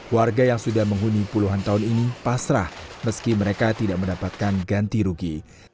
warga yang sudah menghuni puluhan tahun ini pasrah meski mereka tidak mendapatkan ganti rugi